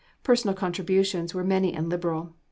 Personal contributions were many and liberal.